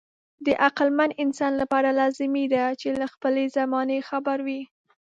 د عقلمن انسان لپاره لازمي ده چې له خپلې زمانې خبر وي.